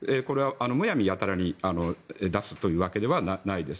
むやみやたらに出すというわけではないです。